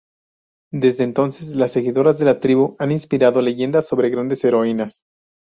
Desde entonces, las seguidoras de la tribu han inspirado leyendas sobre grandes heroínas.